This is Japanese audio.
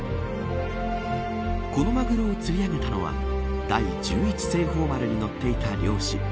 このマグロを釣り上げたのは第１１清鵬丸に乗っていた漁師。